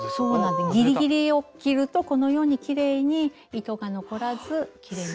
ギリギリを切るとこのようにきれいに糸が残らずきれいに。